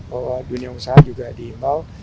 bahwa dunia usaha juga diimbau